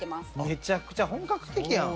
めちゃくちゃ本格的やん。